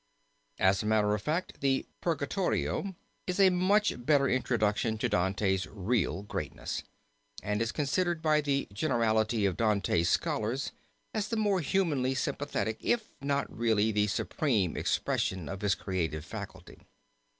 As a matter of fact the Purgatorio is a much better introduction to Dante's real greatness, and is considered by the generality of Dante scholars as the more humanly sympathetic if not really the supreme expression of his creative faculty.